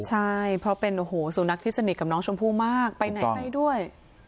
ใช่เพราะเป็นสูนักที่สนิทกับน้องชมพูมากไปไหนไปด้วย